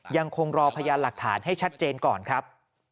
ยังคงรอพยานหลักฐานให้ชัดเจนก่อนครับ